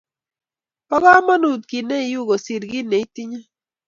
bo komonut kiit neiu kosiir kiit neitinye